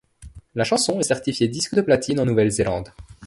La chanson est certifiée disque de platine en Nouvelle-Zélande.